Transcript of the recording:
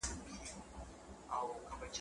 منظور نه دی غونډ اولس دی د پنجاب په زولنو کي `